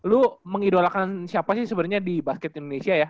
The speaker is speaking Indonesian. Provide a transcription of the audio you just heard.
lo mengidolakan siapa sih sebenernya di basket indonesia ya